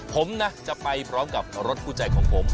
ผมนะจะไปพร้อมกับรถคู่ใจของผม